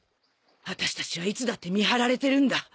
私たちはいつだって見張られてるんだ